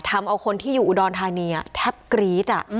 ทำเอาคนที่อยู่อุดรธานีแทบกรี๊ด